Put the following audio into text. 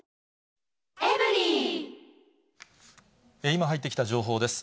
今入ってきた情報です。